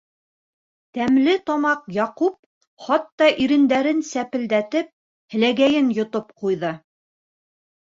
Тәмлетамаҡ Яҡуп хатта ирендәрен сәпелдәтеп, һеләгәйен йотоп ҡуйҙы.